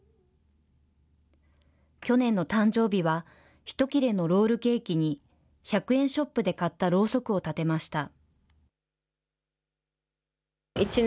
去年の誕生日は、１切れのロールケーキに、１００円ショップで買ったろうそくを立てました。